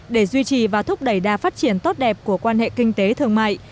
để duy trì và thúc đẩy đa phát triển tốt đẹp của quan hệ kinh tế thương mại